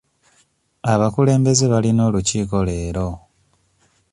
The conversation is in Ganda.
Abakulembeze balina olukiiko leero.